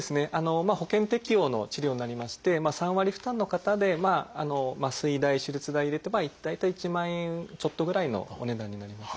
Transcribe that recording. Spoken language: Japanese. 保険適用の治療になりまして３割負担の方で麻酔代手術代入れて大体１万円ちょっとぐらいのお値段になります。